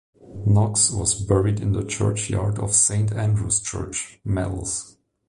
Knox was buried in the churchyard of Saint Andrew's Church, Mells.